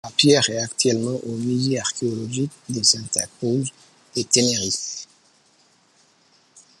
La pierre est actuellement au musée archéologique de Santa Cruz de Tenerife.